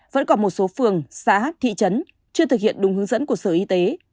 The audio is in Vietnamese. vẫn còn một số phường xã thị trấn chưa thực hiện đúng hướng dẫn của sở y tế